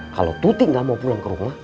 kalau tuti nggak mau pulang ke rumah